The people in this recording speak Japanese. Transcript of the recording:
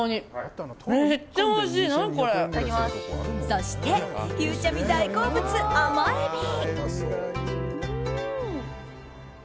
そして、ゆうちゃみ大好物アマエビ！